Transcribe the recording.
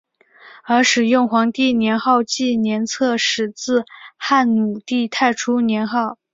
而使用皇帝年号纪年则始自汉武帝太初年号。